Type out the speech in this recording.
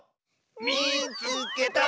「みいつけた！」。